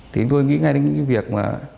thì tôi nghĩ ngay đến những việc mà